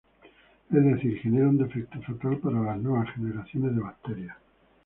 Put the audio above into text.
Es decir, genera un defecto fatal para las nuevas generaciones de bacterias..